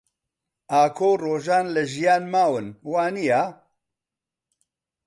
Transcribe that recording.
ئاکۆ و ڕۆژان لە ژیان ماون، وانییە؟